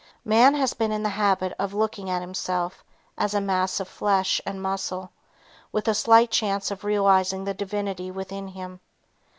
Man has been in the habit of looking at himself as a mass of flesh and muscle with a slight chance of realizing the Divinity within him.